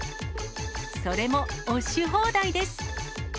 それも押し放題です。